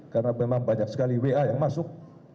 karena memang banyak sekali wa yang masuk